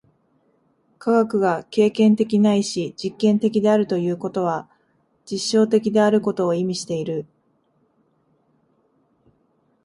科学が経験的ないし実験的であるということは、実証的であることを意味している。